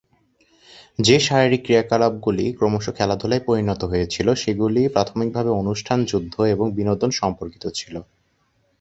যে শারীরিক ক্রিয়াকলাপগুলি ক্রমশ খেলাধুলায় পরিণত হয়েছিল, সেগুলি প্রাথমিকভাবে অনুষ্ঠান, যুদ্ধ এবং বিনোদন সম্পর্কিত ছিল।